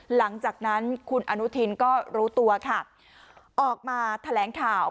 หลังจากนั้นคุณอนุทินก็รู้ตัวค่ะออกมาแถลงข่าว